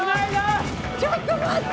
ちょっと待って！